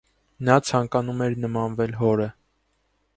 Նա ցանկանում էր նմանվել հորը։